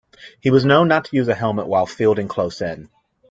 He was known not to use a helmet while fielding close in.